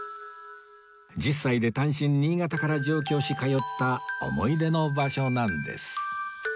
１０歳で単身新潟から上京し通った思い出の場所なんです